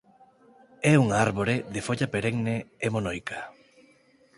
É unha árbore de folla perenne e monoica.